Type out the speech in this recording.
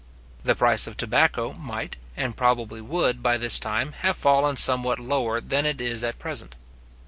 The price of tobacco might, and probably would, by this time have fallen somewhat lower than it is at present.